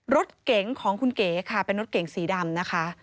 รถเก๋งของคุณเก๋ค่ะเป็นรถเก๋งสีดำนะคะ